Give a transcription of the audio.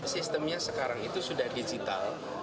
sistemnya sekarang itu sudah digital